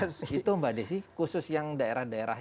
itu mbak desi khusus yang daerah daerah